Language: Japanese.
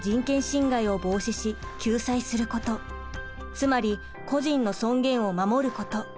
つまり個人の尊厳を守ること。